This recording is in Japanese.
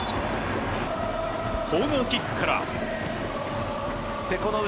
コーナーキックから。